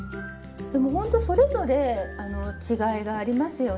でもほんとそれぞれ違いがありますよね。